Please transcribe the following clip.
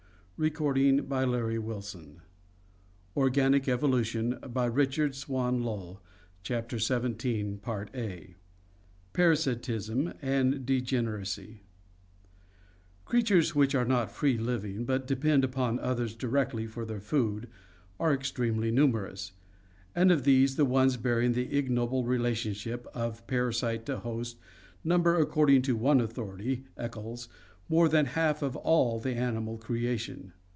Wheeler, W. M., Ants, their Structure, Development and Behavior, 1910. CHAPTER XVII Parasitism and Degeneracy Creatures which are not free living, but depend upon others directly for their food are extremely numerous, and of these the ones bearing the ignoble relationship of parasite to host number, according to one authority (Eccles), more than half of all the ani mal creation.